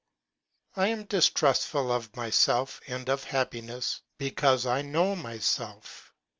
Iam distrustful of myself and of happi ness because I know myself.